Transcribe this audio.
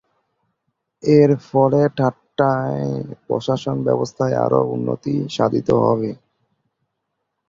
এরফলে থাট্টায় প্রশাসন ব্যবস্থায় আরও উন্নতি সাধিত হবে।